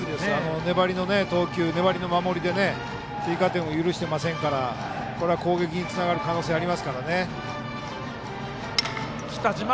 粘りの投球、粘りの守りで追加点を許していないので攻撃につながる可能性もあります。